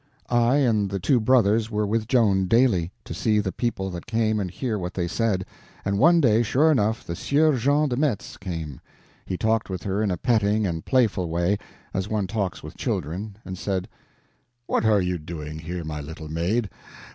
I and the two brothers were with Joan daily, to see the people that came and hear what they said; and one day, sure enough, the Sieur Jean de Metz came. He talked with her in a petting and playful way, as one talks with children, and said: "What are you doing here, my little maid?